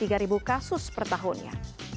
ini juga menyebutkan kasus pertahunnya